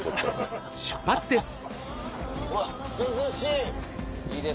うわ涼しい！